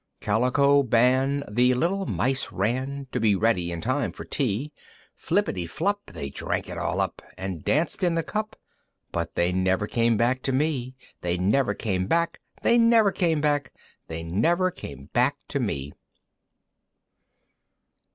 III. Calico Ban, The little Mice ran, To be ready in time for tea, Flippity flup, They drank it all up, And danced in the cup, But they never came back to me! They never came back! They never came back! They never came back to me!